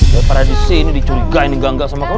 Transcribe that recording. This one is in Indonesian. daripada di sini dicurigain digangga sama kamu